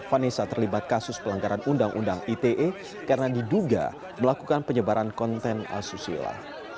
vanessa terlibat kasus pelanggaran undang undang ite karena diduga melakukan penyebaran konten asusila